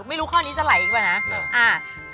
ไม่รู้ข้อนี้จะไหลยังไงนะ